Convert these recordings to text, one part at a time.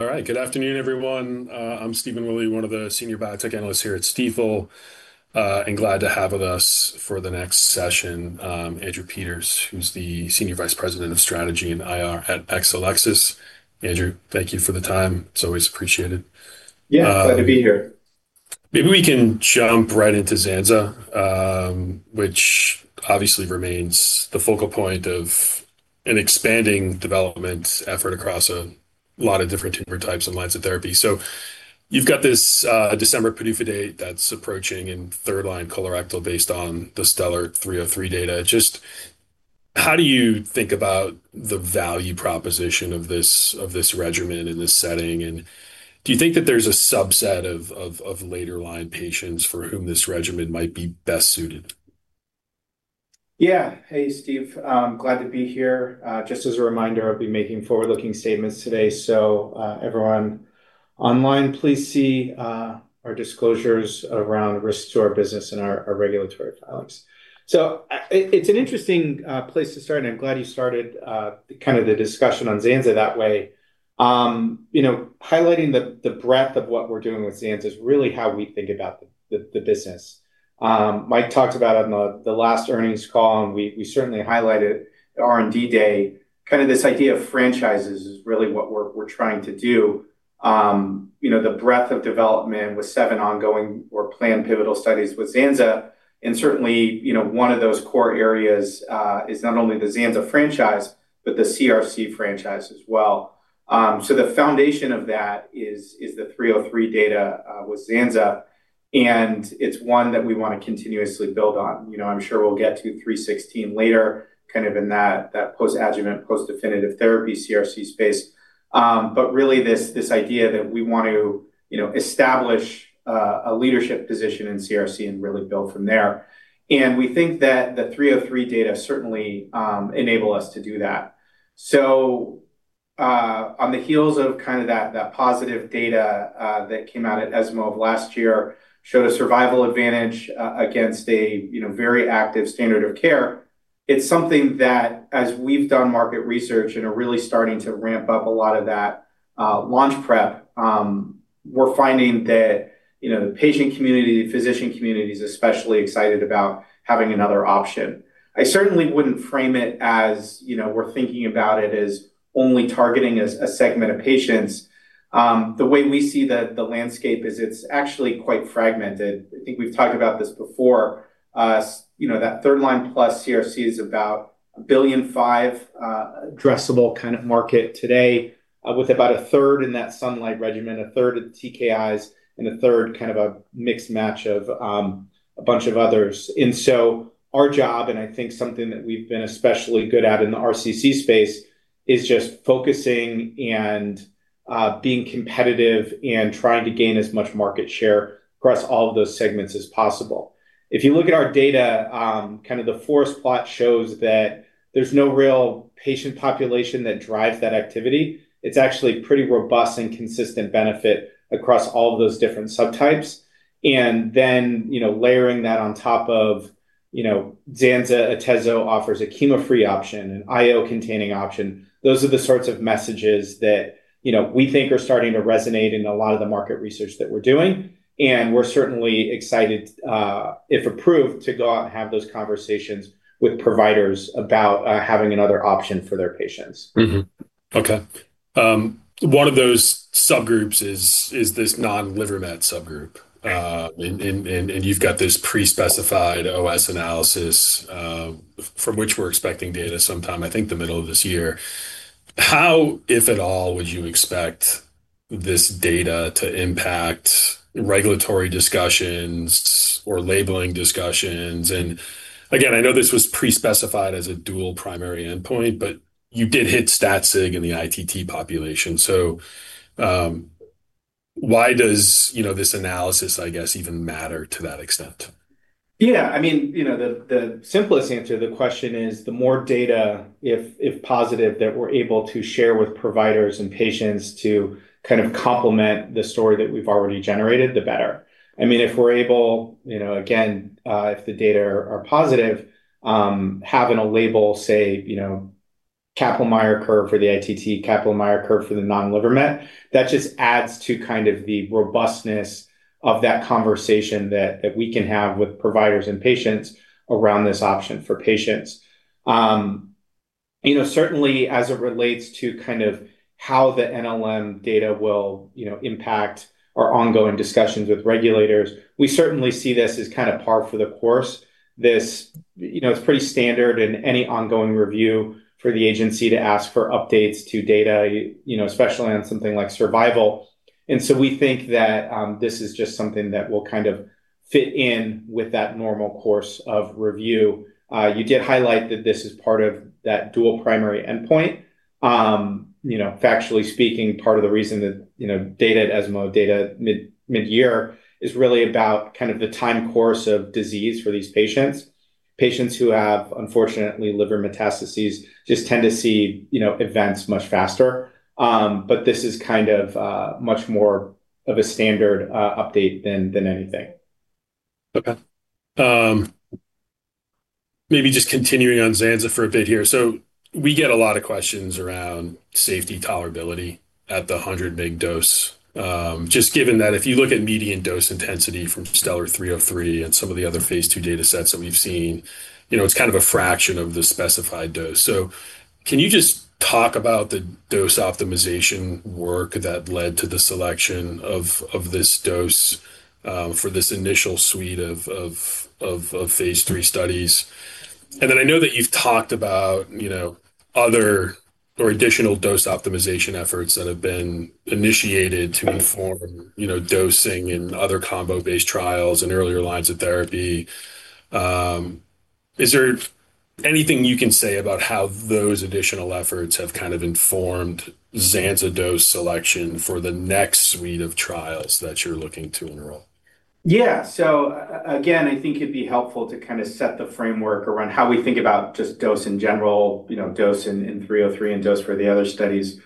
All right. Good afternoon, everyone. I'm Stephen Willey, one of the senior biotech analysts here at Stifel, and glad to have with us for the next session, Andrew Peters, who's the Senior Vice President of Strategy and IR at Exelixis. Andrew, thank you for the time. It's always appreciated. Yeah. Glad to be here. Maybe we can jump right into Zanza, which obviously remains the focal point of an expanding development effort across a lot of different tumor types and lines of therapy. You've got this December PDUFA date that's approaching in third line colorectal based on the STELLAR-303 data. Just how do you think about the value proposition of this regimen in this setting, and do you think that there's a subset of later line patients for whom this regimen might be best suited? Yeah. Hey, Steve. Glad to be here. Just as a reminder, I'll be making forward-looking statements today. Everyone online, please see our disclosures around risks to our business and our regulatory filings. It's an interesting place to start, and I'm glad you started the discussion on Zanza that way. Highlighting the breadth of what we're doing with Zanza is really how we think about the business. Mike talked about on the last earnings call, and we certainly highlighted at R&D Day, this idea of franchises is really what we're trying to do. The breadth of development with seven ongoing or planned pivotal studies with Zanza, and certainly, one of those core areas, is not only the Zanza franchise, but the CRC franchise as well. The foundation of that is the 303 data, with Zanza, and it's one that we want to continuously build on. I'm sure we'll get to STELLAR-316 later, in that post-adjuvant, post-definitive therapy CRC space. Really this idea that we want to establish a leadership position in CRC and really build from there. We think that the STELLAR-303 data certainly enable us to do that. On the heels of that positive data that came out at ESMO of last year, showed a survival advantage against a very active standard of care. It's something that as we've done market research and are really starting to ramp up a lot of that launch prep, we're finding that the patient community, physician community's especially excited about having another option. I certainly wouldn't frame it as we're thinking about it as only targeting a segment of patients. The way we see the landscape is it's actually quite fragmented. I think we've talked about this before. That third-line plus CRC is about a $1.5 billion addressable kind of market today, with about 1/3 in that SUNLIGHT regimen, 1/3 in TKIs, and 1/3 kind of a mix-match of a bunch of others. Our job, and I think something that we've been especially good at in the RCC space, is just focusing and being competitive and trying to gain as much market share across all of those segments as possible. If you look at our data, the forest plot shows that there's no real patient population that drives that activity. It's actually pretty robust and consistent benefit across all of those different subtypes. Layering that on top of zanzalintinib, atezolizumab offers a chemo-free option, an IO-containing option. Those are the sorts of messages that we think are starting to resonate in a lot of the market research that we're doing, and we're certainly excited, if approved, to go out and have those conversations with providers about having another option for their patients. Okay. One of those subgroups is this non-livermet subgroup. Right. You've got this pre-specified OS analysis, from which we're expecting data sometime, I think, the middle of this year. How, if at all, would you expect this data to impact regulatory discussions or labeling discussions? Again, I know this was pre-specified as a dual primary endpoint, but you did hit stat sig in the ITT population. Why does this analysis, I guess, even matter to that extent? The simplest answer to the question is the more data, if positive, that we're able to share with providers and patients to kind of complement the story that we've already generated, the better. If we're able, again, if the data are positive, having a label say, Kaplan-Meier curve for the ITT, Kaplan-Meier curve for the non-livermet, that just adds to the robustness of that conversation that we can have with providers and patients around this option for patients. Certainly as it relates to how the NLM data will impact our ongoing discussions with regulators, we certainly see this as par for the course. It's pretty standard in any ongoing review for the agency to ask for updates to data, especially on something like survival. We think that this is just something that will fit in with that normal course of review. You did highlight that this is part of that dual primary endpoint. Factually speaking, part of the reason that data at ESMO, data mid-year is really about the time course of disease for these patients. Patients who have, unfortunately, liver metastases just tend to see events much faster. This is much more of a standard update than anything. Maybe just continuing on zanzalintinib for a bit here. We get a lot of questions around safety tolerability at the 100 mg dose. Just given that if you look at median dose intensity from STELLAR-303 and some of the other phase II data sets that we've seen, it's a fraction of the specified dose. Can you just talk about the dose optimization work that led to the selection of this dose for this initial suite of phase III studies? Then I know that you've talked about other or additional dose optimization efforts that have been initiated to inform dosing in other combo-based trials and earlier lines of therapy. Is there anything you can say about how those additional efforts have kind of informed zanzalintinib dose selection for the next suite of trials that you're looking to enroll? Again, I think it'd be helpful to set the framework around how we think about just dose in general, dose in 303, and dose for the other studies.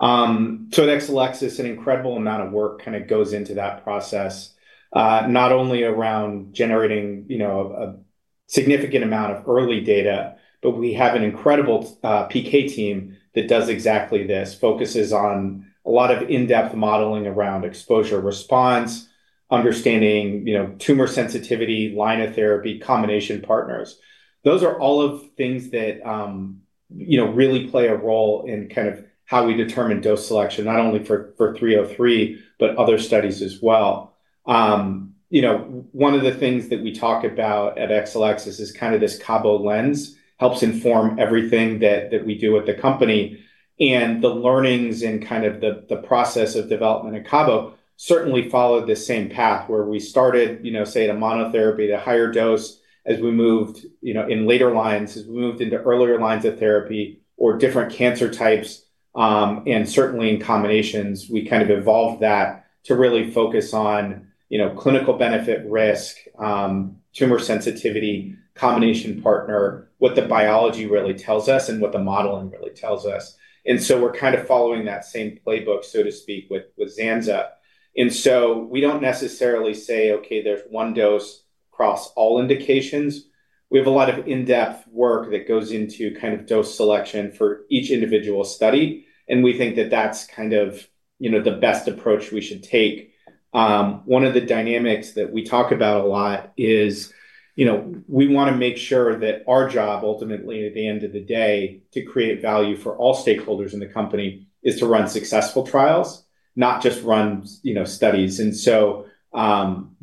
At Exelixis, an incredible amount of work goes into that process, not only around generating a significant amount of early data, but we have an incredible PK team that does exactly this, focuses on a lot of in-depth modeling around exposure response, understanding tumor sensitivity, line of therapy, combination partners. Those are all of things that really play a role in how we determine dose selection, not only for 303, but other studies as well. One of the things that we talk about at Exelixis is this cabozantinib lens helps inform everything that we do at the company, and the learnings and the process of development at cabozantinib certainly followed the same path where we started, say, at a monotherapy to higher dose as we moved in later lines, as we moved into earlier lines of therapy or different cancer types. Certainly in combinations, we evolved that to really focus on clinical benefit risk, tumor sensitivity, combination partner, what the biology really tells us and what the modeling really tells us. We're following that same playbook, so to speak, with zanzalintinib. We don't necessarily say, "Okay, there's one dose across all indications." We have a lot of in-depth work that goes into dose selection for each individual study, and we think that that's the best approach we should take. One of the dynamics that we talk about a lot is we want to make sure that our job ultimately at the end of the day, to create value for all stakeholders in the company, is to run successful trials, not just run studies.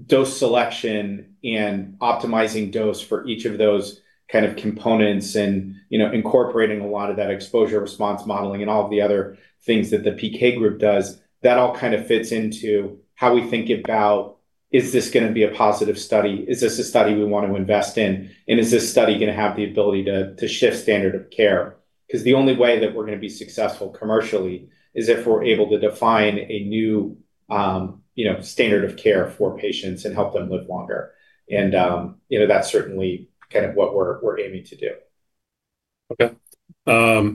Dose selection and optimizing dose for each of those kind of components and incorporating a lot of that exposure response modeling and all of the other things that the PK group does, that all fits into how we think about. Is this going to be a positive study? Is this a study we want to invest in? Is this study going to have the ability to shift standard of care? The only way that we're going to be successful commercially is if we're able to define a new standard of care for patients and help them live longer. That's certainly what we're aiming to do. Okay.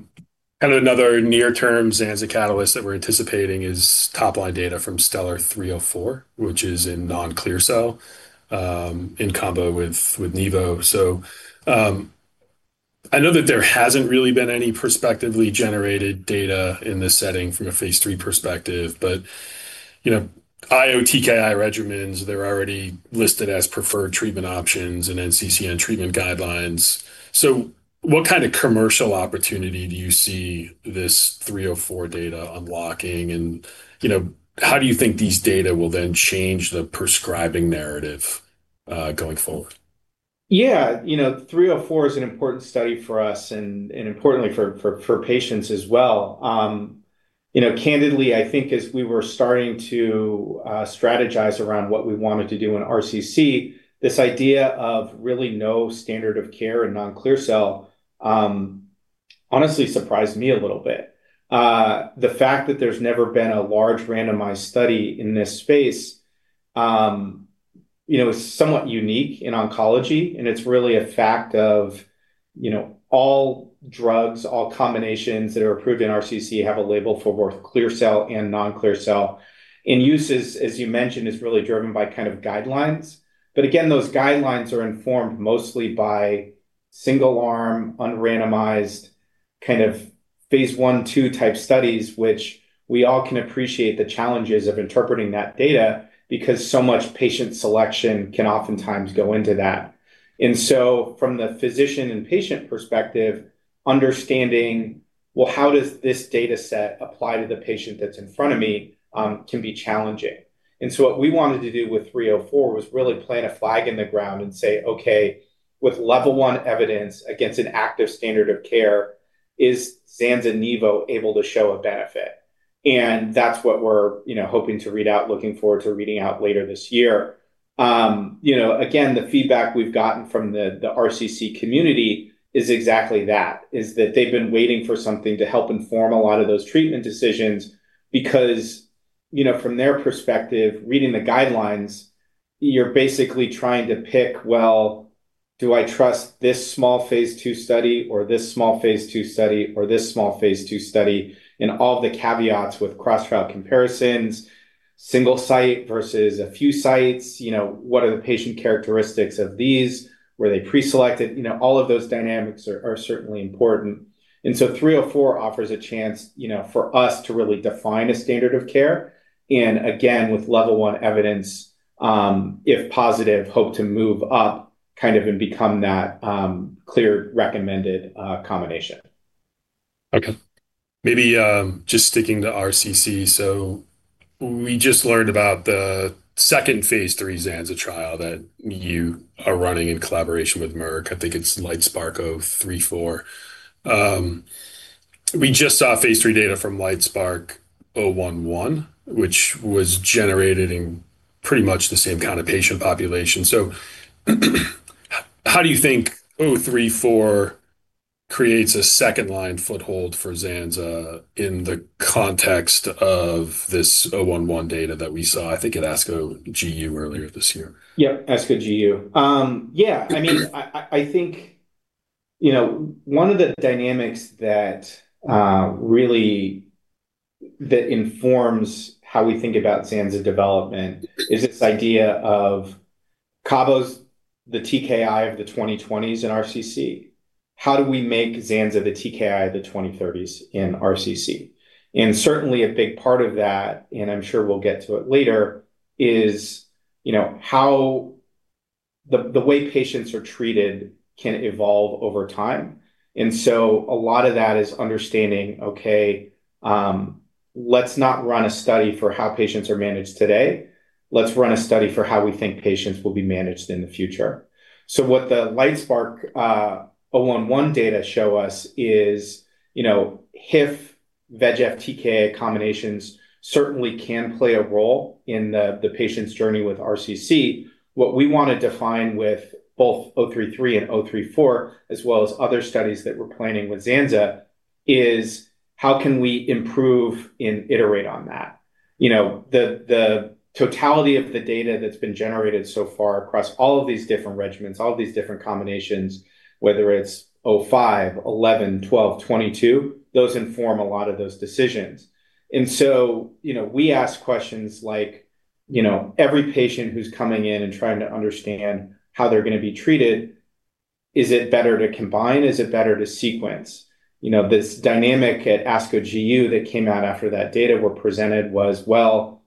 Another near-term zanzalintinib catalyst that we're anticipating is top-line data from STELLAR-304, which is in non-clear cell, in combo with nivolumab. I know that there hasn't really been any perspectively generated data in this setting from a phase III perspective, but IO-TKI regimens, they're already listed as preferred treatment options and NCCN treatment guidelines. What kind of commercial opportunity do you see this 304 data unlocking, and how do you think these data will then change the prescribing narrative going forward? Yeah. 304 is an important study for us and importantly for patients as well. Candidly, I think as we were starting to strategize around what we wanted to do in RCC, this idea of really no standard of care in non-clear cell, honestly surprised me a little bit. The fact that there's never been a large randomized study in this space, is somewhat unique in oncology, it's really a fact of all drugs, all combinations that are approved in RCC have a label for both clear cell and non-clear cell. Use is, as you mentioned, is really driven by guidelines. Again, those guidelines are informed mostly by single-arm, unrandomized phase I/II type studies, which we all can appreciate the challenges of interpreting that data because so much patient selection can oftentimes go into that. From the physician and patient perspective, understanding, well, how does this data set apply to the patient that's in front of me, can be challenging. What we wanted to do with 304 was really plant a flag in the ground and say, "Okay, with level 1 evidence against an active standard of care, is zanzalintinib nivolumab able to show a benefit?" That's what we're hoping to read out, looking forward to reading out later this year. Again, the feedback we've gotten from the RCC community is exactly that, is that they've been waiting for something to help inform a lot of those treatment decisions because from their perspective, reading the guidelines, you're basically trying to pick, well, do I trust this small phase II study or this small phase II study, or this small phase II study and all the caveats with cross-trial comparisons. Single site versus a few sites. What are the patient characteristics of these? Were they pre-selected? All of those dynamics are certainly important, and so 304 offers a chance for us to really define a standard of care, and again, with level 1 evidence, if positive, hope to move up and become that clear recommended combination. Okay. Maybe just sticking to RCC. We just learned about the second phase III zanzalintinib trial that you are running in collaboration with Merck. I think it's LITESPARK-034. We just saw phase III data from LITESPARK-011, which was generated in pretty much the same kind of patient population. How do you think LITESPARK-034 creates a second line foothold for zanzalintinib in the context of this 011 data that we saw, I think at ASCO GU earlier this year? Yep, ASCO GU. Yeah. I think one of the dynamics that informs how we think about zanzalintinib development is this idea of CABO's the TKI of the 2020s and RCC. How do we make zanzalintinib the TKI of the 2030s in RCC? Certainly a big part of that, and I'm sure we'll get to it later, is how the way patients are treated can evolve over time. A lot of that is understanding, okay, let's not run a study for how patients are managed today. Let's run a study for how we think patients will be managed in the future. What the LITESPARK-011 data show us is, HIF VEGF TKI combinations certainly can play a role in the patient's journey with RCC. What we want to define with both LITESPARK-033 and LITESPARK-034, as well as other studies that we're planning with zanzalintinib, is how can we improve and iterate on that. The totality of the data that's been generated so far across all of these different regimens, all of these different combinations, whether it's 05, 11, 12, 22, those inform a lot of those decisions. We ask questions like, every patient who's coming in and trying to understand how they're going to be treated, is it better to combine? Is it better to sequence? This dynamic at ASCO GU that came out after that data were presented was, well,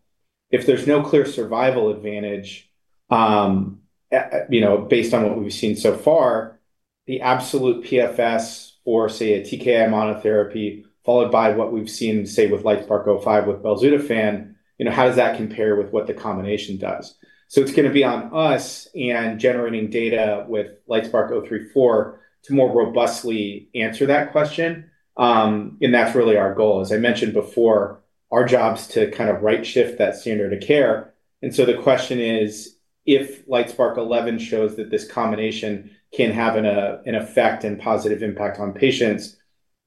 if there's no clear survival advantage based on what we've seen so far, the absolute PFS for, say, a TKI monotherapy followed by what we've seen, say, with LITESPARK-005 with belzutifan, how does that compare with what the combination does? It's going to be on us and generating data with LITESPARK-034 to more robustly answer that question, and that's really our goal. As I mentioned before, our job is to right shift that standard of care. The question is, if LITESPARK-011 shows that this combination can have an effect and positive impact on patients,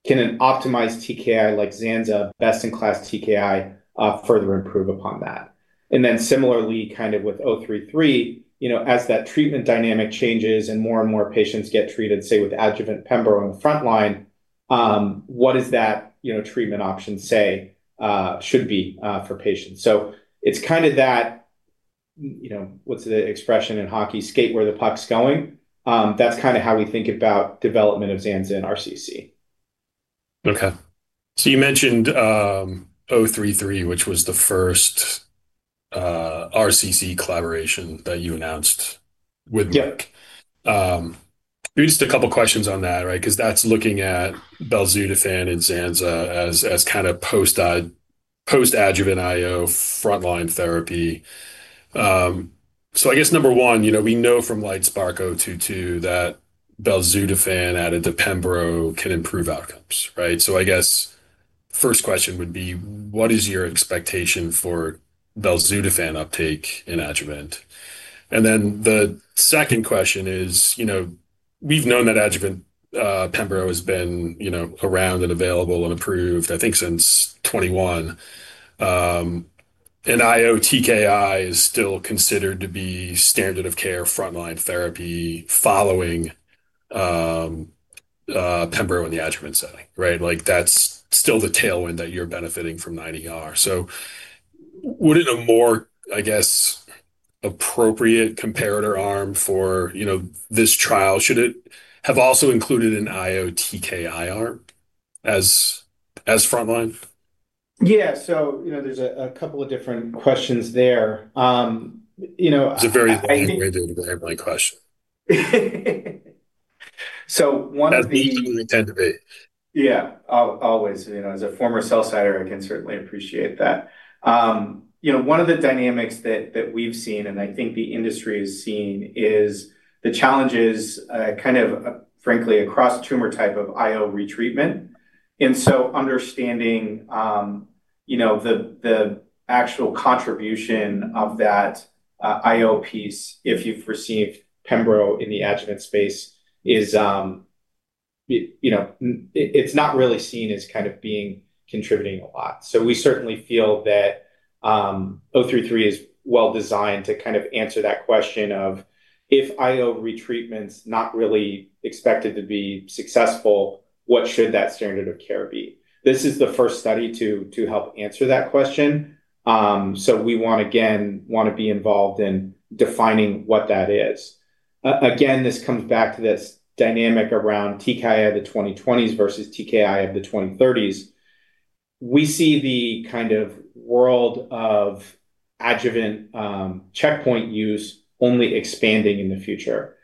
can an optimized TKI like zanzalintinib, best in class TKI, further improve upon that? Similarly with LITESPARK-033, as that treatment dynamic changes and more and more patients get treated, say, with adjuvant pembrolizumab on the frontline, what does that treatment option, say, should be for patients? It's that, what's the expression in hockey? Skate where the puck's going. That's how we think about development of zanzalintinib in RCC. Okay. You mentioned LITESPARK-033, which was the first RCC collaboration that you announced with Merck. Yeah. A couple of questions on that, because that's looking at belzutifan and zanzalintinib as post-adjuvant IO frontline therapy. I guess number one, we know from LITESPARK-022 that belzutifan added to pembrolizumab can improve outcomes. I guess first question would be, what is your expectation for belzutifan uptake in adjuvant? The second question is, we've known that adjuvant pembrolizumab has been around and available and approved, I think, since 2021. An IO TKI is still considered to be standard of care frontline therapy following pembrolizumab in the adjuvant setting. That's still the tailwind that you're benefiting from 9ER. Wouldn't a more, I guess, appropriate comparator arm for this trial, should it have also included an IO TKI arm as frontline? Yeah. There's a couple of different questions there. It's a very long-winded way of my question. So one of the- That's me. We tend to be. Yeah. Always. As a former sell-sider, I can certainly appreciate that. One of the dynamics that we've seen, and I think the industry has seen, is the challenges, frankly, across tumor type of IO retreatment, and so understanding the actual contribution of that IO piece, if you've received pembro in the adjuvant space, it's not really seen as being contributing a lot. We certainly feel that 033 is well designed to answer that question of if IO retreatment's not really expected to be successful, what should that standard of care be? This is the first study to help answer that question. We want, again, want to be involved in defining what that is. This comes back to this dynamic around TKI of the 2020s versus TKI of the 2030s. We see the world of adjuvant checkpoint use only expanding in the future.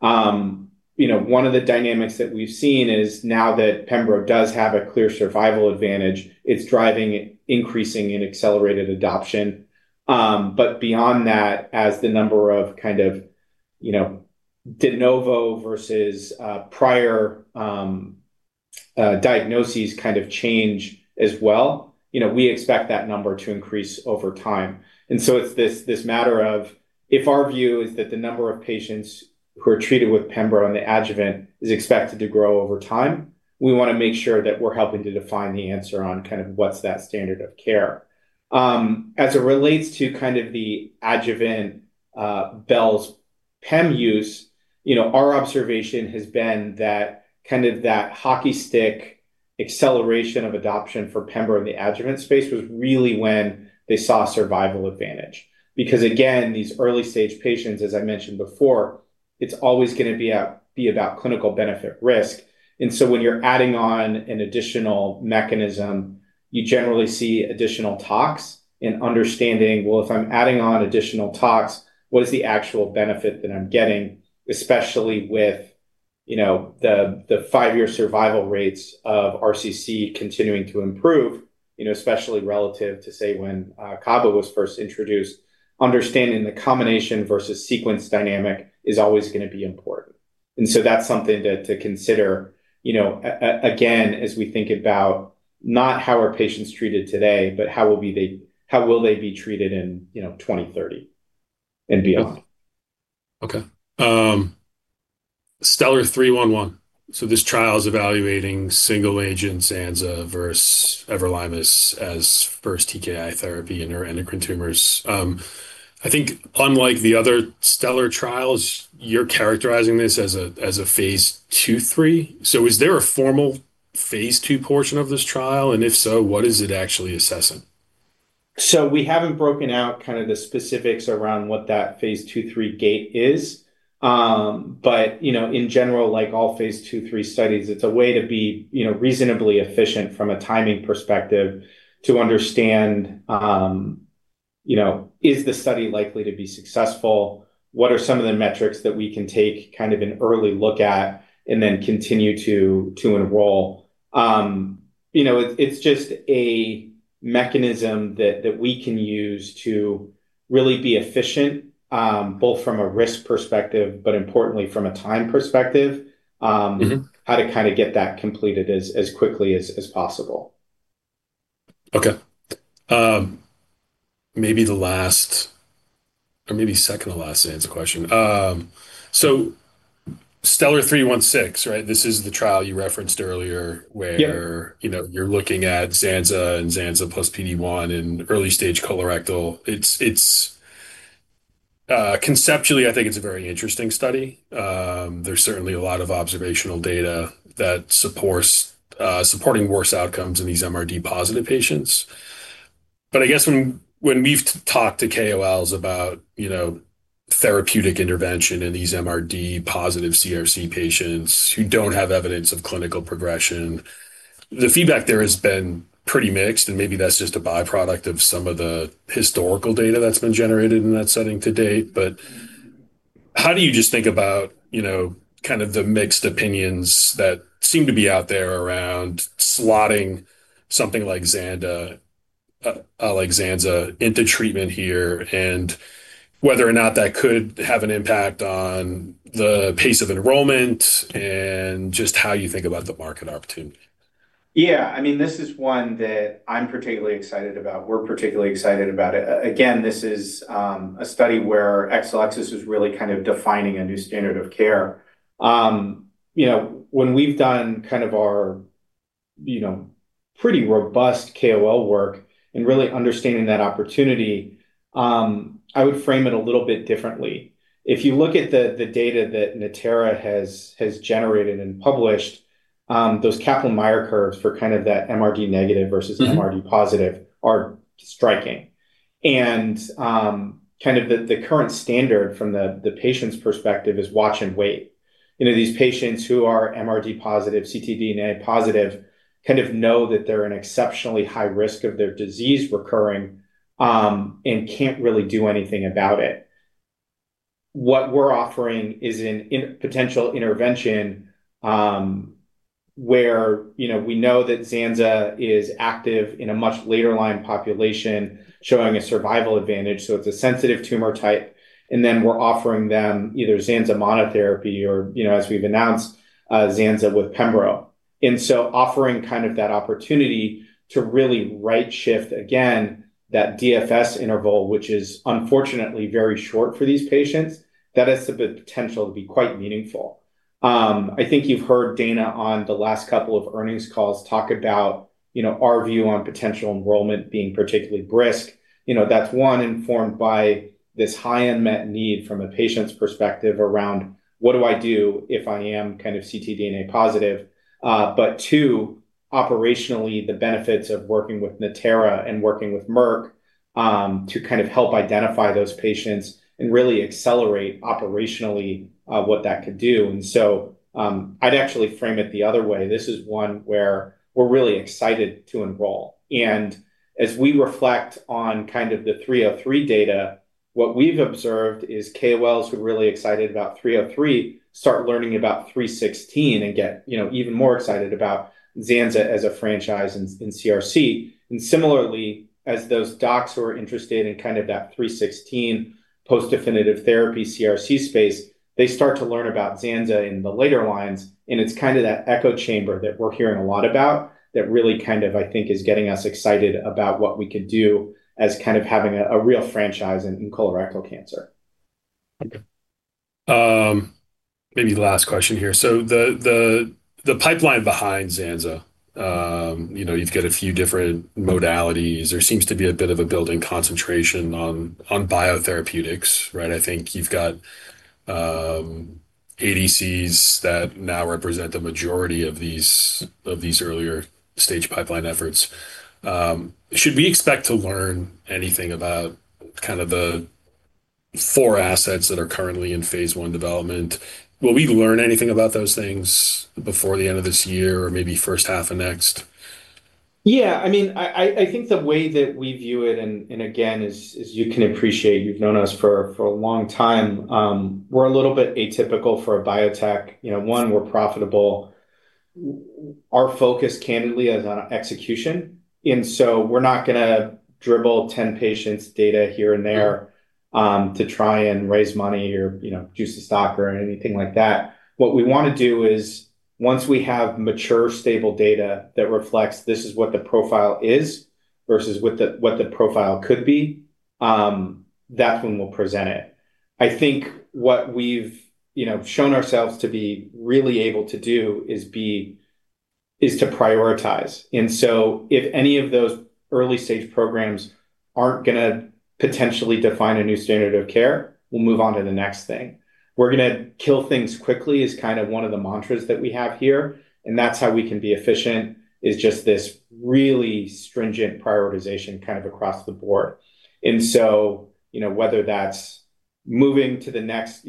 One of the dynamics that we've seen is now that pembro does have a clear survival advantage, it's driving increasing and accelerated adoption. Beyond that, as the number of de novo versus prior diagnoses change as well, we expect that number to increase over time. It's this matter of, if our view is that the number of patients who are treated with pembro and the adjuvant is expected to grow over time, we want to make sure that we're helping to define the answer on what's that standard of care. As it relates to the adjuvant bel-pem use, our observation has been that hockey stick acceleration of adoption for pembro in the adjuvant space was really when they saw survival advantage. Again, these early-stage patients, as I mentioned before, it's always going to be about clinical benefit risk. When you're adding on an additional mechanism, you generally see additional tox and understanding, well, if I'm adding on additional tox, what is the actual benefit that I'm getting? Especially with the 5-year survival rates of RCC continuing to improve, especially relative to, say, when Cabo was first introduced, understanding the combination versus sequence dynamic is always going to be important. That's something to consider, again, as we think about not how are patients treated today, but how will they be treated in 2030 and beyond. Okay. STELLAR-311. This trial is evaluating single agent zanzalintinib versus everolimus as first TKI therapy in neuroendocrine tumors. I think unlike the other STELLAR trials, you're characterizing this as a phase II/III. Is there a formal phase II portion of this trial? If so, what is it actually assessing? We haven't broken out the specifics around what that Phase II, III gate is. In general, like all Phase II, III studies, it's a way to be reasonably efficient from a timing perspective to understand, is the study likely to be successful? What are some of the metrics that we can take an early look at and then continue to enroll? It's just a mechanism that we can use to really be efficient, both from a risk perspective, but importantly from a time perspective. how to get that completed as quickly as possible. Okay. Maybe the last, or maybe second to last zanza question. STELLAR-316, right? This is the trial you referenced earlier where. Yep You're looking at zanza and zanza plus PD-1 in early-stage colorectal. Conceptually, I think it's a very interesting study. There's certainly a lot of observational data supporting worse outcomes in these MRD positive patients. I guess when we've talked to KOLs about therapeutic intervention in these MRD positive CRC patients who don't have evidence of clinical progression, the feedback there has been pretty mixed, and maybe that's just a byproduct of some of the historical data that's been generated in that setting to date. How do you just think about the mixed opinions that seem to be out there around slotting something like zanza into treatment here, and whether or not that could have an impact on the pace of enrollment and just how you think about the market opportunity? Yeah, this is one that I'm particularly excited about. We're particularly excited about it. This is a study where Exelixis is really defining a new standard of care. When we've done our pretty robust KOL work and really understanding that opportunity, I would frame it a little bit differently. If you look at the data that Natera has generated and published, those Kaplan-Meier curves for that MRD negative versus MRD positive are striking. The current standard from the patient's perspective is watch and wait. These patients who are MRD positive, ctDNA positive, know that they're in exceptionally high risk of their disease recurring, and can't really do anything about it. What we're offering is a potential intervention, where we know that Zanza is active in a much later line population, showing a survival advantage, so it's a sensitive tumor type. We're offering them either zanza monotherapy or, as we've announced, zanza with pembrolizumab. Offering that opportunity to really right-shift again that DFS interval, which is unfortunately very short for these patients, that has the potential to be quite meaningful. I think you've heard Dana on the last couple of earnings calls talk about our view on potential enrollment being particularly brisk. That's one informed by this high unmet need from a patient's perspective around what do I do if I am ctDNA positive? Two, operationally, the benefits of working with Natera and working with Merck to help identify those patients and really accelerate operationally what that could do. I'd actually frame it the other way. This is one where we're really excited to enroll. As we reflect on the STELLAR-303 data, what we've observed is KOLs who are really excited about STELLAR-303 start learning about STELLAR-316 and get even more excited about Zanza as a franchise in CRC. Similarly, as those docs who are interested in that STELLAR-316 post-definitive therapy CRC space, they start to learn about Zanza in the later lines, it's that echo chamber that we're hearing a lot about that really, I think is getting us excited about what we could do as having a real franchise in colorectal cancer. Okay. Maybe the last question here. The pipeline behind zanza. You've got a few different modalities. There seems to be a bit of a building concentration on biotherapeutics, right? I think you've got ADCs that now represent the majority of these earlier stage pipeline efforts. Should we expect to learn anything about the four assets that are currently in phase I development? Will we learn anything about those things before the end of this year or maybe first half of next? Yeah. I think the way that we view it, and again, as you can appreciate, you've known us for a long time, we're a little bit atypical for a biotech. One, we're profitable. Our focus candidly is on execution, and so we're not going to dribble 10 patients' data here and there. Yeah to try and raise money or juice the stock or anything like that. What we want to do is once we have mature, stable data that reflects this is what the profile is versus what the profile could be, that's when we'll present it. I think what we've shown ourselves to be really able to do is to prioritize. If any of those early stage programs aren't going to potentially define a new standard of care, we'll move on to the next thing. We're going to kill things quickly is one of the mantras that we have here, and that's how we can be efficient, is just this really stringent prioritization across the board. Whether that's moving to the next,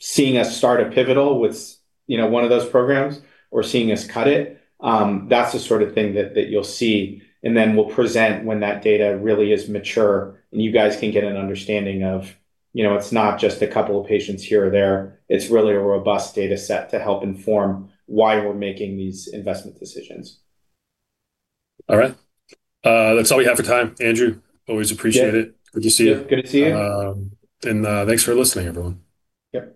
seeing us start a pivotal with one of those programs or seeing us cut it, that's the sort of thing that you'll see. We'll present when that data really is mature, and you guys can get an understanding of it's not just a couple of patients here or there. It's really a robust data set to help inform why we're making these investment decisions. All right. That's all we have for time. Andrew, always appreciate it. Yeah. Good to see you. Good to see you. Thanks for listening, everyone. Yep.